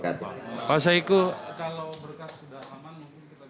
kalau berkas sudah aman mungkin kita bisa bicara target dari pks nya